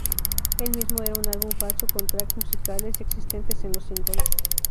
El mismo era un álbum falso con tracks musicales ya existentes en los singles.